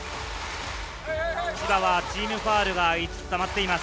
千葉はチームファウルが５つたまっています。